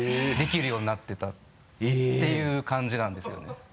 できるようになってたっていう感じなんですよね。